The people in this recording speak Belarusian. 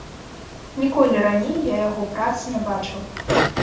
Ніколі раней я яго прац не бачыў.